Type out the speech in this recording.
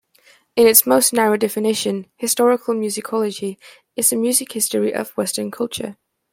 In its most narrow definition, historical musicology is the music history of Western culture.